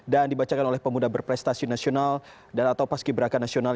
dan dibacakan oleh pemuda berprestasi nasional dan atau paski berakan nasional